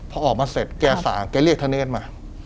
พอออกมาเสร็จแกสั่งแกเรียกธเนธมา